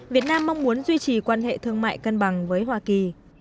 việt nam mong muốn duy trì quan hệ thương mại cân bằng với hoa kỳ